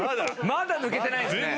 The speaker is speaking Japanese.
まだ抜けてないんですね。